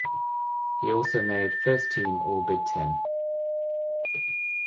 He also made First Team All Big Ten.